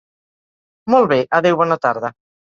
Molt bé, adeu bona tarda.